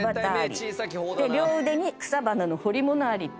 両腕に草花の彫り物あり。